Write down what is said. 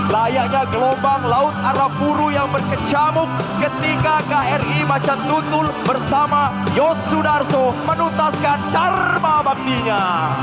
layaknya gelombang laut arapuru yang berkecamuk ketika kri macatutul bersama yosudarso menuntaskan dharma baktinya